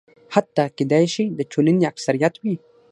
حتی کېدای شي د ټولنې اکثریت وي.